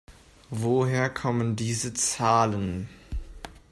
Woher kommen diese Zahlen?